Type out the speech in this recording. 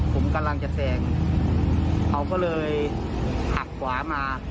ผมกำลังจะแซงเขาก็เลยหักขวามา